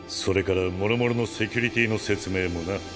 それから諸々のセキュリティーの説明もな。